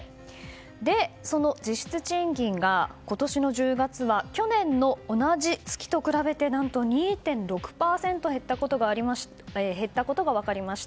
で、その実質賃金が今年の１０月は去年の同じ月と比べて何と２．６％減ったことが分かりました。